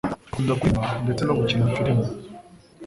Akunda kuririmba ndetse no gukina filime